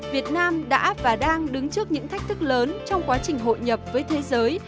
việt nam đã và đang đứng trước những thách thức lớn trong quá trình hội nhập với thế giới